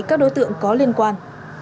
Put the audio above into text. các đối tượng có liên quan